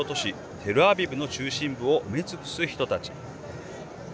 テルアビブの中心部を埋め尽くす人たち。